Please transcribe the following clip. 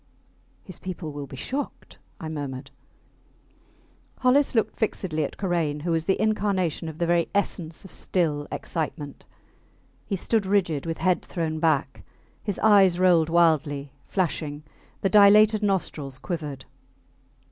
His people will be shocked, I murmured. Hollis looked fixedly at Karain, who was the incarnation of the very essence of still excitement. He stood rigid, with head thrown back; his eyes rolled wildly, flashing; the dilated nostrils quivered.